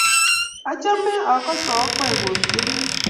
achamee akosoo okwek otienii.